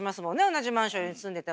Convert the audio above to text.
同じマンションに住んでても。